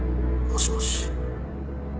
もしもし？